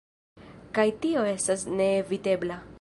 Kaj tio estas neevitebla.